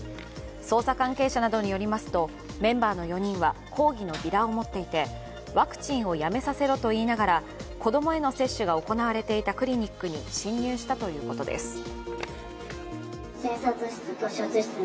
捜査関係者などによりますとメンバーの４人は抗議のビラを持っていてワクチンをやめさせろと言いながら子供への接種が行われていたクリニックに侵入したということです。